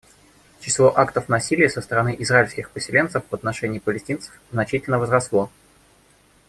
Число актов насилия со стороны израильских поселенцев в отношении палестинцев значительно возросло.